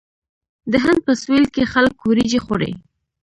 د هند په سویل کې خلک وریجې خوري.